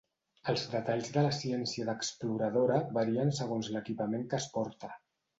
Els detalls de la ciència d'exploradora varien segons l'equipament que es porta.